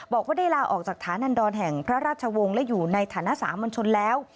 บอกว่าได้ลาออกจากฐานันดรแห่งพระราชวงศ์และอยู่ในฐานะสามัญชนแล้ว